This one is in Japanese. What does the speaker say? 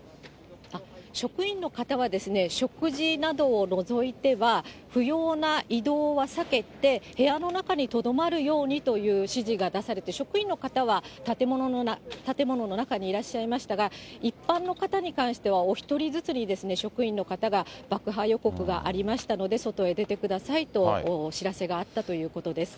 職員の方は、食事などを除いては、不要な移動は避けて、部屋の中にとどまるようにという指示が出されて、職員の方は建物の中にいらっしゃいましたが、一般の方に関しては、お一人ずつに職員の方が、爆破予告がありましたので、外へ出てくださいとお知らせがあったということです。